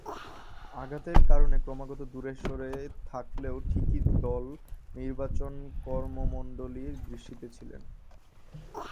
আঘাতের কারণে ক্রমাগত দূরে সরে থাকলেও ঠিকই দল নির্বাচকমণ্ডলীর দৃষ্টিতে ছিলেন।